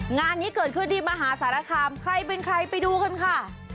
งานนี้เกิดขึ้นที่มหาสารคามใครเป็นใครไปดูกันค่ะ